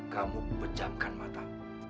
kamu pejamkan mata